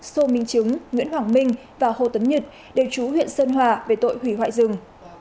sô minh chứng nguyễn hoàng minh và hồ tấn nhật đều chú huyện sơn hòa về tội hủy hoại rừng